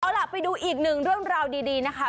เอาล่ะไปดูอีกหนึ่งเรื่องราวดีนะคะ